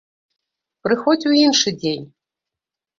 Прыходзь у іншы дзень!